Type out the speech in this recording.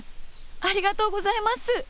ありがとうございます。